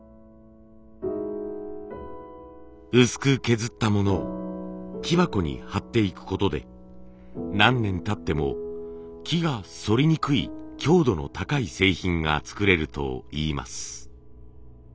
薄く削ったものを木箱に貼っていくことで何年たっても木が反りにくい強度の高い製品が作れるといいます。